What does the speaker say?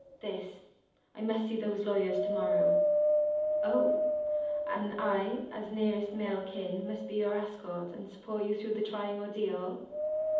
"This. I must meet those lawyers to morrow." "Oh! And I as nearest male kin, must be your escort, and support you through the trying ordeal."